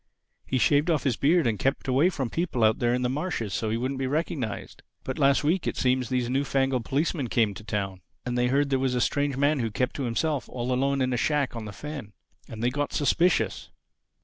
He shaved off his beard and kept away from people out there on the marshes so he wouldn't be recognized. But last week, it seems these new fangled policemen came to Town; and they heard there was a strange man who kept to himself all alone in a shack on the fen. And they got suspicious.